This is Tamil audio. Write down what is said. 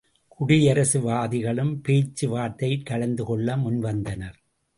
குடியரசுவாதிகளும் பேச்சு வார்த்தையிற் கலந்து கொள்ள முன்வந்தனர்.